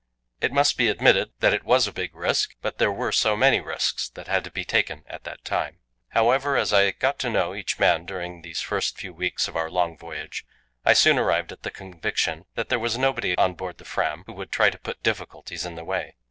It must be admitted that it was a big risk, but there were so many risks that had to be taken at that time. However, as I got to know each man during these first few weeks of our long voyage, I soon arrived at the conviction that there was nobody on board the Fram who would try to put difficulties in the way.